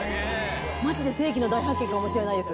マジで世紀の大発見かもしれないです